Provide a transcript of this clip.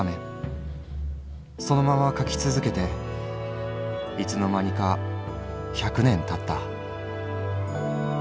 そのまま描き続けていつの間にか百年たった」。